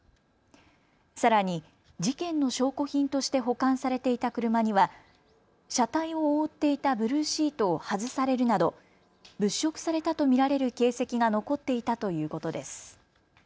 さらに事件の証拠品として保管されていた車には車体を覆っていたブルーシートを外されるなど物色されたと見られる形跡が残っていたということです。